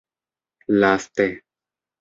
Laste.